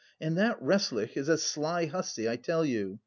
And that Resslich is a sly hussy, I tell you.